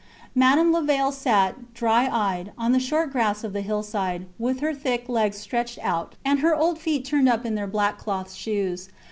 Madame Levaille sat, dry eyed, on the short grass of the hill side, with her thick legs stretched out, and her old feet turned up in their black cloth shoes.